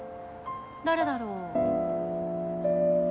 誰だろう？